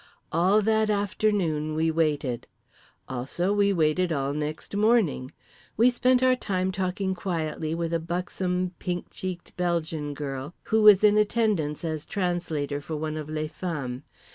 All that afternoon we waited. Also we waited all next morning. We spent our time talking quietly with a buxom pink cheeked Belgian girl who was in attendance as translator for one of les femmes.